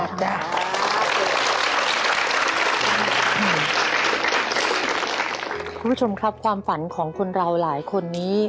คุณผู้ชมครับความฝันของคนเราหลายคนนี้